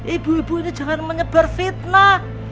ibu ibu ini jangan menyebar fitnah